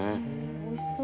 おいしそう。